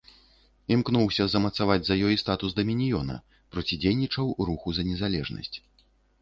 Імкнуўся замацаваць за ёй статус дамініёна, процідзейнічаў руху за незалежнасць.